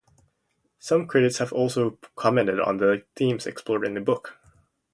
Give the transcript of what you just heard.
Some critics have also commented on the themes explored in the book.